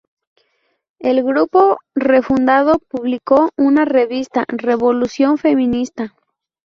El grupo refundado publicó una revista, "Revolución Feminista.